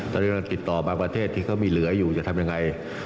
ตอนนี้เราติดต่อบางประเทศที่เขามีเหลืออยู่จะทำยังไง